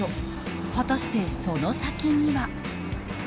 果たして、その先には。